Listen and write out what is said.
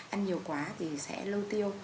ăn nhiều quá thì sẽ lâu tiêu